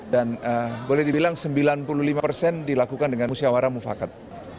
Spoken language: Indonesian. dan boleh dibilang sembilan puluh lima persen dilakukan dengan musyawara mufakat